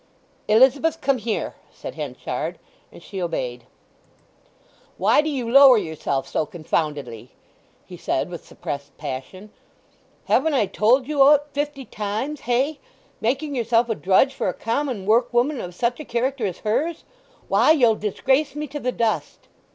"Elizabeth, come here!" said Henchard; and she obeyed. "Why do you lower yourself so confoundedly?" he said with suppressed passion. "Haven't I told you o't fifty times? Hey? Making yourself a drudge for a common workwoman of such a character as hers! Why, ye'll disgrace me to the dust!"